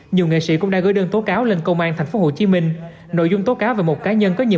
nhiều nghệ sĩ cũng đã gửi đơn tố cáo lên công an tp hcm nội dung tố cáo về một cá nhân có nhiều